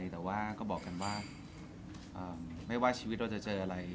แต่ว่าก็บอกกันว่าไม่ว่าชีวิตเราจะเจออะไร